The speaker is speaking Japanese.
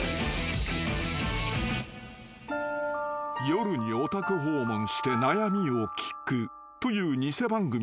［夜にお宅訪問して悩みを聞くという偽番組のロケ］